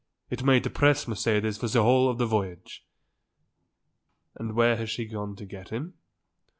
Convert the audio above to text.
It may depress Mercedes for the whole of the voyage." "And where has she gone to get him?"